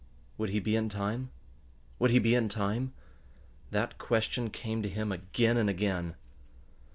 Would he be in time? Would he be in time? That question came to him again and again.